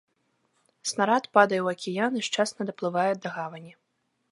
Снарад падае ў акіян і шчасна даплывае да гавані.